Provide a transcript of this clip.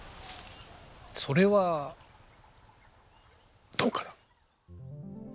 それはどうかな。